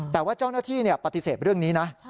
แต่ว่าเจ้าหน้าที่ปฏิเสธเรื่องนี้นะ